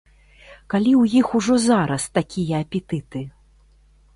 Калі ў іх ужо зараз такія апетыты?